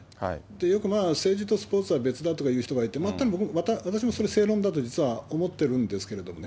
よく政治とスポーツは別だとか言う人がいて、全く私もそれ、正論だと実は思ってるんですけどもね。